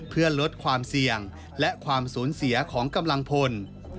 เพื่อลดความเสี่ยงและความสูญเสียของกำลังพล